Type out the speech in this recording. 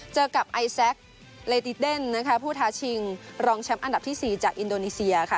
เจอกับไอแซ็กเลติเดนนะคะผู้ท้าชิงรองแชมป์อันดับที่๔จากอินโดนีเซียค่ะ